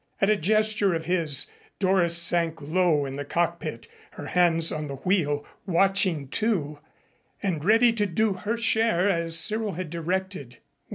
At a gesture of his, Doris sank low in the cockpit, her hands on the wheel, watching, too, and ready to do her share as Cyril had directed.